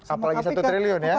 apalagi satu triliun ya